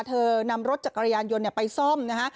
เธอนำรถจากกระยันยนต์ไปซ่อมนะฮะ